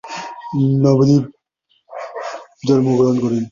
নবদ্বীপ ধামে মহাপ্রভু চৈতন্য জন্মগ্রহণ করেন।